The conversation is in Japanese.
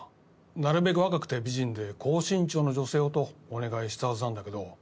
なるべく若くて美人で高身長の女性をとお願いしたはずなんだけど君男だよね？